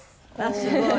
すごい。